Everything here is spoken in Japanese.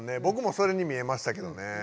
ぼくもそれに見えましたけどね。